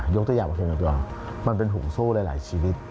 ยกตัวอย่างปลาเข็มหนึ่งตัวมันเป็นหุงสู้หลายชีวิต